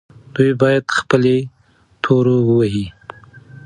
دوی باید خپلې تورو ووهي.